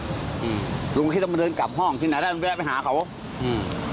อืมลุงคิดแล้วมันเดินกลับห้องที่ไหนแล้วมันแวะไปหาเขาอืม